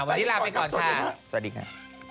วันนี้ลาไปก่อนค่ะสวัสดีค่ะ